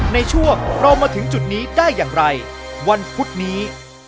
ในช่วงเรามาถึงจุดนี้ได้อย่างไรวันพุธนี้